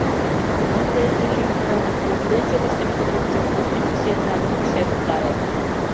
Ынде Иллимарым пӧртӧнчылыштын кугытшо ончычсо семынак ыш ӧрыктаре.